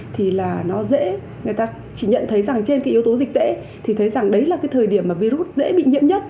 thì là nó dễ người ta chỉ nhận thấy rằng trên cái yếu tố dịch tễ thì thấy rằng đấy là cái thời điểm mà virus dễ bị nhiễm nhất